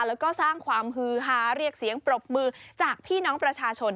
แล้วก็สร้างความฮือฮาเรียกเสียงปรบมือจากพี่น้องประชาชน